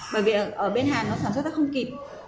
bởi vì ở bên hàng nó sản xuất nó không kịp